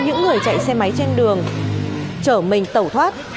những người chạy xe máy trên đường chở mình tẩu thoát